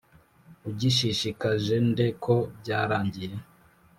ugishishikaje nde ko byarangiye.